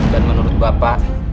dan menurut bapak